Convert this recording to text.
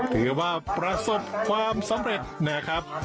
ถือว่าประสบความสำเร็จนะครับ